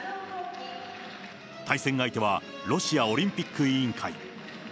対戦相手は、ロシアオリンピック委員会。